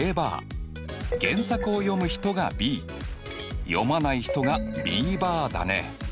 原作を読む人がＢ読まない人がＢバーだね。